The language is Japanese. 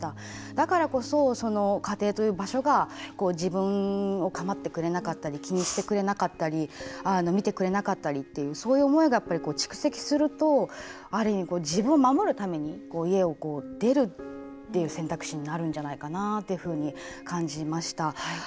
だからこそ、家庭という場所が自分を構ってくれなかったり気にしてくれなかったり見てくれなかったりってそういう思いが蓄積するとある意味、自分を守るために家を出るっていう選択肢になるんじゃないかなというふうに感じました。